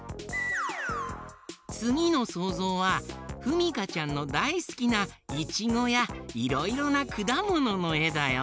つぎのそうぞうはふみかちゃんのだいすきないちごやいろいろなくだもののえだよ。